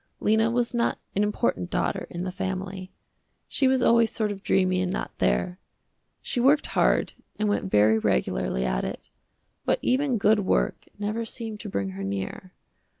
Lena was not an important daughter in the family. She was always sort of dreamy and not there. She worked hard and went very regularly at it, but even good work never seemed to bring her near.